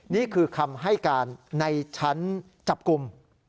นี่คือคำให้การในชั้นจับกลุ่ม